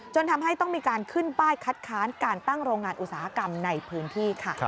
ทำให้ต้องมีการขึ้นป้ายคัดค้านการตั้งโรงงานอุตสาหกรรมในพื้นที่ค่ะ